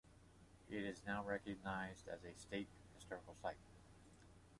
It is now recognized as a state historic site.